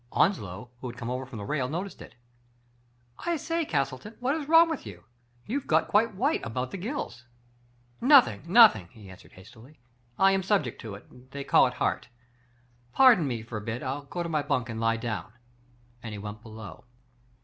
Onslow, who had come over from the rail, noticed it. I say, Castleton, what is wrong with you? You have got quite white about the gills." " Nothing — nothing," he answered hastily. " I am subject to it. They call it heart. Pardon me for a bit. Til go to my bunk and lie down," and he went below.